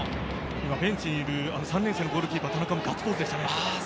ベンチにいる３年生ゴールキーパー・田中もガッツポーズでした。